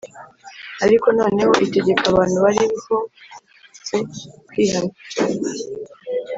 ariko noneho itegeka abantu barihose kwihana